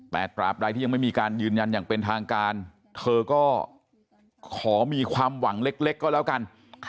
แต่ตราบใดที่ยังไม่มีการยืนยันอย่างเป็นทางการเธอก็ขอมีความหวังเล็กก็แล้วกัน